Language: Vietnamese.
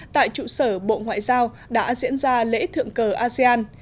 tại trụ sở bộ ngoại giao đã diễn ra lễ thượng cờ asean